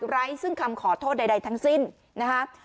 ไร้ซึ่งคำขอโทษใดทั้งสิ้นนะคะ